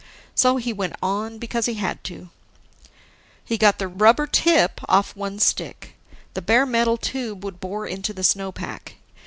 So he went on because he had to. He got the rubber tip off one stick. The bare metal tube would bore into the snow pack.